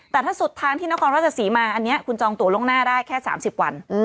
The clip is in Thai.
แต่ถ้าสุดทางที่นครราชศรีมาอันนี้คุณจองตัวล่วงหน้าได้แค่๓๐วัน